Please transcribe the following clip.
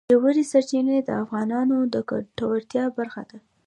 ژورې سرچینې د افغانانو د ګټورتیا برخه ده.